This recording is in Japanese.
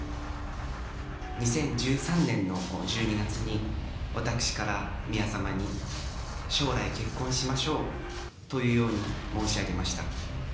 ２０１３年の１２月に、私から宮様に、将来結婚しましょうというように申し上げました。